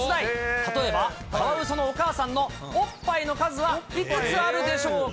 例えば、カワウソのお母さんのおっぱいの数はいくつあるでしょうか。